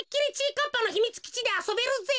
かっぱのひみつきちであそべるぜ。